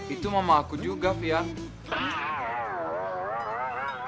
itu mama aku juga fia